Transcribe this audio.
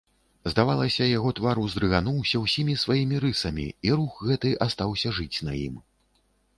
Здавалася, яго твар уздрыгануўся ўсімі сваімі рысамі, і рух гэты астаўся жыць на ім.